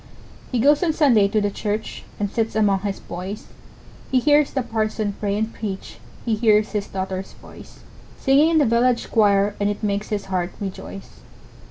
He goes on Sunday to the church, And sits among his boys; He hears the parson pray and preach, He hears his daughter's voice, Singing in the village choir, And it makes his heart rejoice.